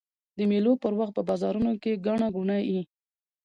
د مېلو پر وخت په بازارو کښي ګڼه ګوڼه يي.